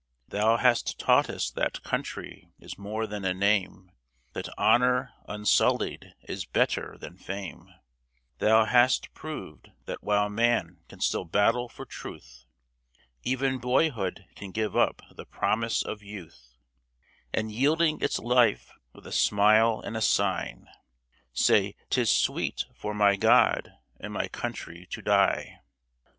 Thou hast taught us that ^' country " is more than a name ; That honor unsullied is better than fame ; Thou hast proved that while man can still battle for truth, Even boyhood can give up the promise of youth, And, yielding its life with a smile and a sigh, Say, " 'Tis sweet for my God and my country to die."